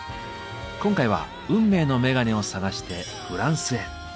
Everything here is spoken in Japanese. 今回は運命のメガネを探してフランスへ。